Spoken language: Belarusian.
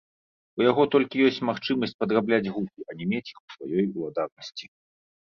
У яго толькі ёсць магчымасць падрабляць гукі, а не мець іх у сваёй уладарнасці.